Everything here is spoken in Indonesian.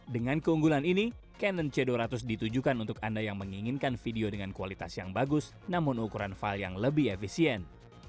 dengan keunggulan ini canon c dua ratus ditujukan untuk anda yang menginginkan video dengan kualitas yang bagus namun ukuran file yang lebih efisien